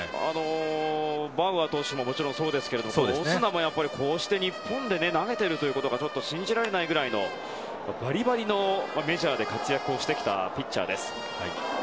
バウアー投手もそうですけれどもオスナもこうして日本で投げていることが信じられないくらいのバリバリのメジャーで活躍してきたピッチャーです。